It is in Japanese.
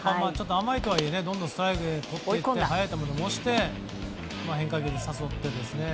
甘いとはいえどんどんストライクとって速い球で押してそして変化球で誘って。